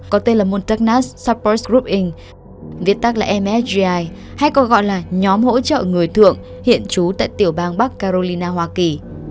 có tên là montagnas support group inc viết tắc là msgi hay có gọi là nhóm hỗ trợ người thượng hiện trú tại tiểu bang bắc carolina hoa kỳ